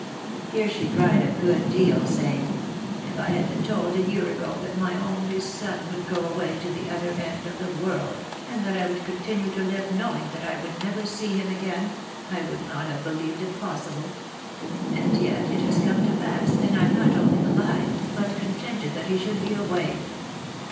Here she cried a good deal, saying, "If I had been told a year ago that my only son would go away to the other end of the world, and that I would continue to live knowing that I would never see him again, I would not have believed it possible. And yet it has come to pass and I am not only alive, but con tented that he should be away.